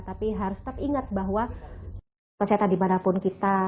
tapi harus tetap ingat bahwa kesehatan dimanapun kita